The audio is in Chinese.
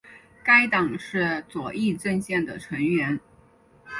该党是左翼阵线的成员。